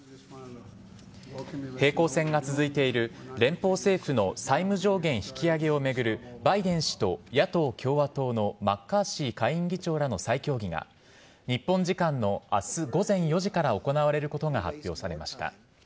平行線が続いている連邦政府の債務上限引き上げを巡るバイデン氏と野党・共和党のマッカーシー下院議長らの再協議が、日本時間のあす午前４時から行われることが発表されました。